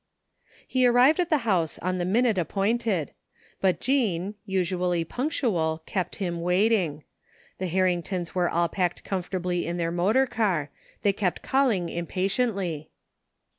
He arrived at the house on the minute appointed, but Jean, usually punctual, kept him waiting. The Har ringtons were all packed comfortably in their motor car. They kept calling impatiently.